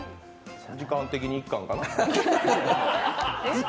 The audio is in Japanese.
時間的に１貫かな。